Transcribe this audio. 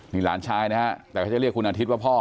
นี่หลานชายนะฮะแต่เขาจะเรียกคุณอาทิตย์ว่าพ่อ